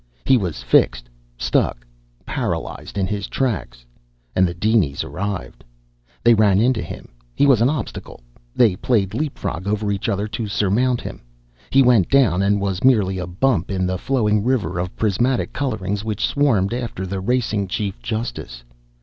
He was fixed, stuck, paralyzed in his tracks. And the dinies arrived. They ran into him. He was an obstacle. They played leapfrog over each other to surmount him. He went down and was merely a bump in the flowing river of prismatic colorings which swarmed after the racing chief justice.